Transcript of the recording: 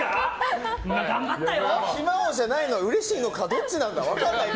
暇王じゃないのはうれしいのかどっちなのか分からない。